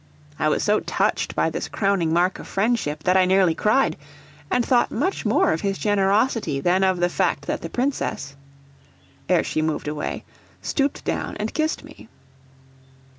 I was so touched by this crowning mark of friendship that I nearly cried; and thought much more of his generosity than of the fact that the Princess; ere she moved away, stooped down and kissed me.